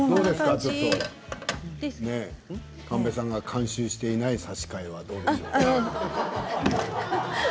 神戸さんが監修していない差し替えはどうですか？